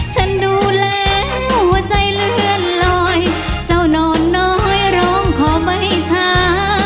ฉันดูแล้วหัวใจเลื่อนลอยเจ้านอนน้อยร้องขอไม่ช้า